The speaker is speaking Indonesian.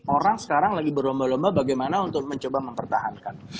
orang sekarang lagi berlomba lomba bagaimana untuk mencoba mempertahankan